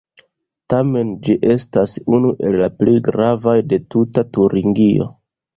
Tamen ĝi estas unu el la plej gravaj de tuta Turingio.